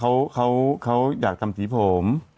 เขาบอกว่าเขาอยากทำสีผม